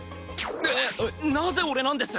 えっなぜ俺なんです？